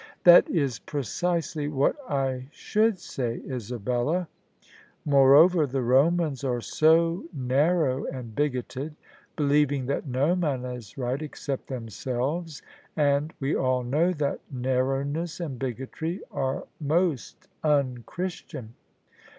"That is precisely what I should say, Isabella. More THE SUBJECTION over, the Romans are so narrow and bigoted, believing that no man is right except themselves: and we all know that narrowness and bigotry are most un Christian."